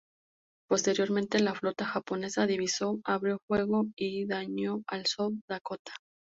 Posteriormente, la flota japonesa divisó, abrió fuego y dañó al "South Dakota".